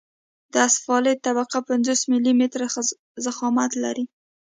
د اسفالټ طبقه پنځوس ملي متره ضخامت لري